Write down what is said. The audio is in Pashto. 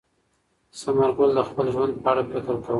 ثمر ګل د خپل ژوند په اړه فکر کاوه.